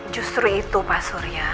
justru itu pak surya